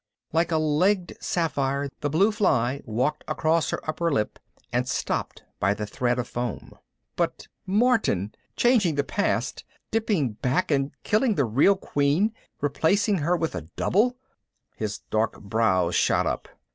'" Like a legged sapphire the blue fly walked across her upper lip and stopped by the thread of foam. "But Martin ... changing the past ... dipping back and killing the real queen ... replacing her with a double " His dark brows shot up.